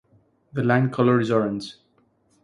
The line color is orange.